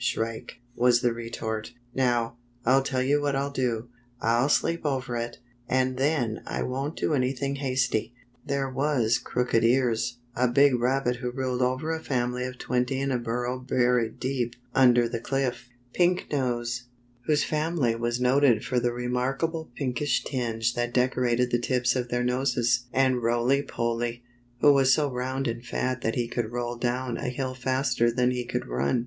Shrike," was the retort, "Now, I'll tell you what I'll do. I'll sleep over it, and then I won't do anything hasty." There was Crooked Ears, a big rabbit who ruled over a family of twenty in a burrow buried deep under the cliff; Pink Nose, whose family was noted for the remarkably pinkish tinge that decorated the tips of their noses ; and Roily Polly, who was so round and fat that he could roll down a hill faster than he could rim.